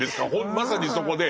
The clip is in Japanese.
まさにそこで。